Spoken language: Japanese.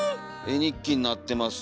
絵日記になってます。